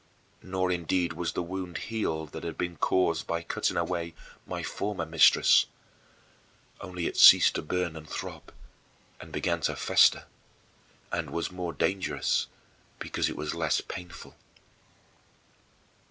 Nor indeed was the wound healed that had been caused by cutting away my former mistress; only it ceased to burn and throb, and began to fester, and was more dangerous because it was less painful.